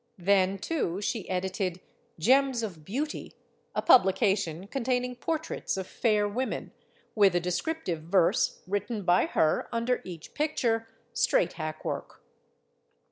Then, too, she edited "Gems of Beauty," a publica tion containing portraits of fair women, with a descrip tive verse written by her under each picture straight hack work.